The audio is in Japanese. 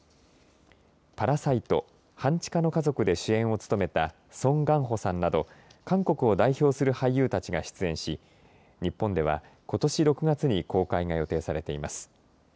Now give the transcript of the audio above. パラサイト半地下の家族で主演を務めたソン・ガンホさんなど韓国を代表する俳優たちが出演し日本ではことし６月に公開が予定されています。